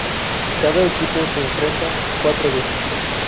Cada equipo se enfrenta cuatro veces.